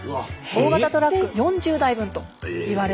大型トラック４０台分といわれていまして。